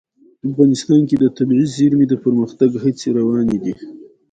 افغانستان کې د طبیعي زیرمې د پرمختګ هڅې روانې دي.